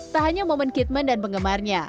tak hanya momen kitman dan penggemarnya